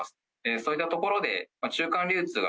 そういったところで、中間流通が